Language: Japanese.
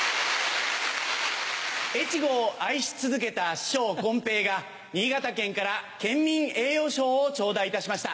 越後を愛し続けた師匠こん平が新潟県から県民栄誉賞を頂戴いたしました。